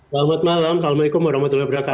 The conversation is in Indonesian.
selamat malam assalamualaikum wr wb